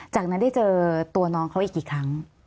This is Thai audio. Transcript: จากนั้นได้เจอตัวน้องเขาอีกกี่ครั้ง